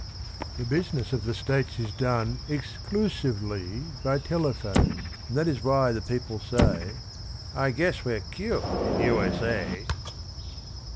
The business of the States is done Ex clu sive ly by telephone; And that is why the people say, "I guess we're 'cute in U. S. A."